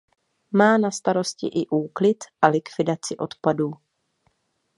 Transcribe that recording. Má na starosti i úklid a likvidaci odpadů.